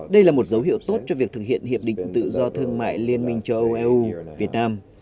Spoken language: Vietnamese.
đây là một dấu hiệu tốt cho việc thực hiện hiệp định tự do thương mại liên minh châu âu eu việt nam